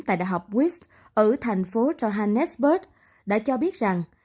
tại đại học wyss ở thành phố johannesburg đã cho biết rằng